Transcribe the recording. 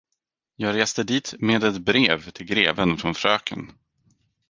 Jag reste dit med ett brev till greven från fröken.